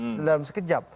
sudah dalam sekejap